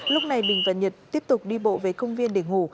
lúc này bình và nhật tiếp tục đi bộ về công viên để ngủ